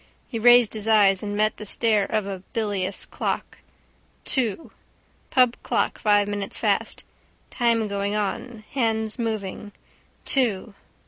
He raised his eyes and met the stare of a bilious clock. Two. Pub clock five minutes fast. Time going on. Hands moving. Two.